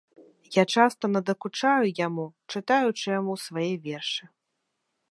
Я часта надакучаю яму, чытаючы яму свае вершы.